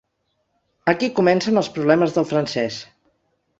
Aquí comencen els problemes del francès.